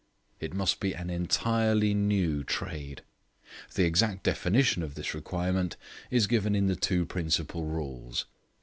It must be an entirely new trade. The exact definition of this requirement is given in the two principal rules.